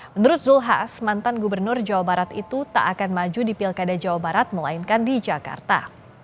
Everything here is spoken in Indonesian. menurut zulkifli hasan mantan gubernur jawa barat itu tak akan maju di pilkada jawa barat melainkan di jakarta